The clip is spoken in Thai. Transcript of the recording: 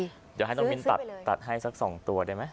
เดี๋ยวให้ตัวมินตัดให้สักสองตัวได้ไหม